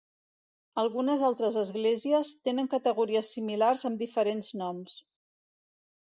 Algunes altres esglésies tenen categories similars amb diferents noms.